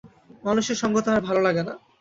মানুষের সঙ্গ তাহার ভালো লাগে না।